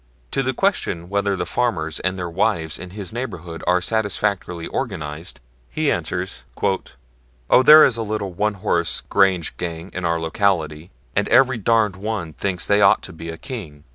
To the question whether the farmers and their wives in his neighborhood are satisfactorily organized, he answers: "Oh, there is a little one horse grange gang in our locality, and every darned one thinks they ought to be a king."